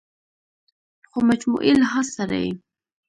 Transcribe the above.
خو مجموعي لحاظ سره ئې